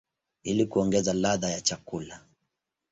ili kuongeza ladha ya chakula.